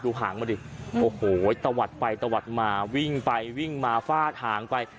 หางมาดิโอ้โหตะวัดไปตะวัดมาวิ่งไปวิ่งมาฟาดหางไป